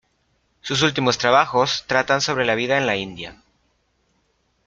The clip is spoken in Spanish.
Sus últimos trabajos tratan sobre la vida en la India.